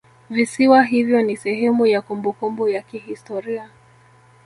Visiwa hivyo ni sehemu ya kumbukumbu ya kihistoria